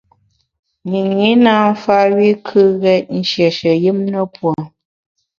Nyinyi nâ mfa wi kù ghét nshié yùm ne pue.